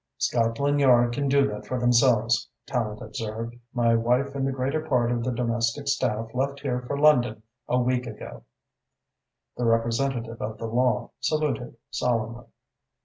"Scotland Yard can do that for themselves," Tallente observed. "My wife and the greater part of the domestic staff left here for London a week ago." The representative of the law saluted solemnly.